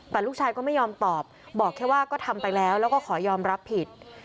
แต่ลูกชายก็ไม่ยอมตอบบอกแค่ว่าก็ทำไปแล้วแล้วก็ขอยอมรับผิด